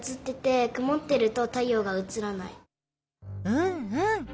うんうん！